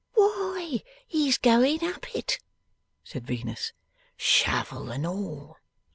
'Why, he's going up it!' said Venus. 'Shovel and all!